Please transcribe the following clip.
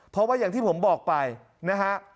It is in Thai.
เพราะว่าอย่างที่ผมบอกไปนะฮะ